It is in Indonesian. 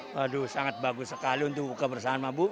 waduh sangat bagus sekali untuk buka bersama bu